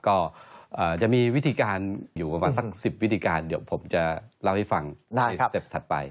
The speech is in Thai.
ก็จะมีวิธีการอยู่ประมาณสัก๑๐วิธีการเดี๋ยวผมจะเล่าให้ฟังในสเต็ปถัดไป